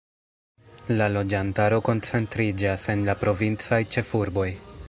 La loĝantaro koncentriĝas en la provincaj ĉefurboj.